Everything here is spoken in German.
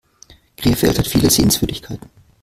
Krefeld hat viele Sehenswürdigkeiten